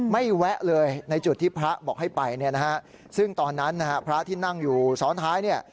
แวะเลยในจุดที่พระบอกให้ไปเนี่ยนะฮะซึ่งตอนนั้นนะฮะพระที่นั่งอยู่ซ้อนท้ายเนี่ย